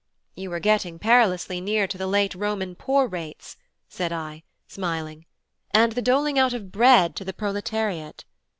"You were getting perilously near to the late Roman poor rates," said I, smiling, "and the doling out of bread to the proletariat."